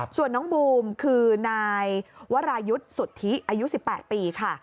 ส่วนน้องบูมคือนายวรายุทธ์สุทธิอายุ๑๘ปีค่ะ